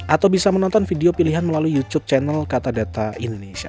atau bisa menonton video pilihan melalui youtube channel kata data indonesia